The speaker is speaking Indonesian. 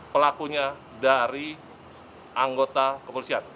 pelakunya dari anggota kepolisian